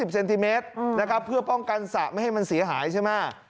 เซนติเมตรนะครับเพื่อป้องกันสระไม่ให้มันเสียหายใช่ไหม